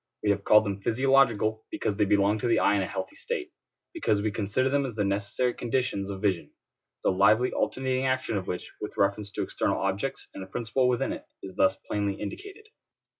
We have called them physiological because they belong to the eye in a healthy state; because we consider them as the necessary conditions of vision; the lively alternating action of which, with reference to external objects and a principle within it, is thus plainly indicated.